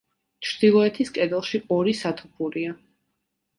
ჩრდილოეთის კედელში ორი სათოფურია.